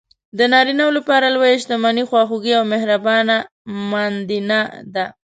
د نارینه لپاره لویه شتمني خواخوږې او مهربانه ماندینه ده.